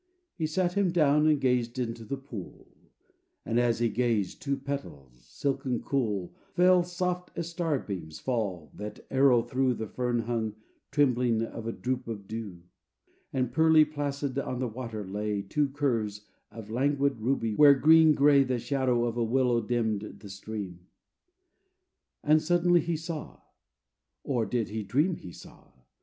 He sat him down and gazed into the pool: And as he gazed, two petals, silken cool, Fell, soft as star beams fall that arrow through The fern hung trembling of a drop of dew; And, pearly placid, on the water lay, Two curves of languid ruby, where, green gray, The shadow of a willow dimmed the stream. And suddenly he saw or did he dream He saw?